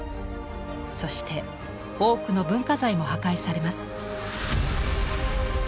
そして多くの文化財も破壊されます。